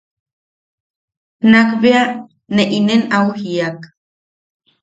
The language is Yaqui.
Nak bea ne inen au jiiak.